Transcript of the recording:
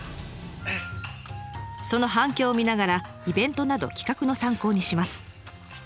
その反響を見ながらイベントなど企画の参考にします。